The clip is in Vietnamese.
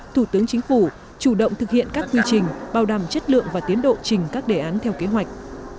thủ tướng chính phủ chủ động thực hiện các quy trình bảo đảm chất lượng và tiến độ trình các đề án theo kế hoạch